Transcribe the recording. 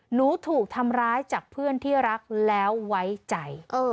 หนูถูกทำร้ายจากเพื่อนที่รักแล้วไว้ใจ